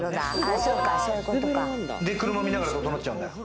で、車見ながら整っちゃうんだよ。